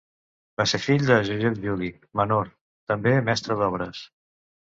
Va ser fill de Josep Juli, menor, també mestre d'obres.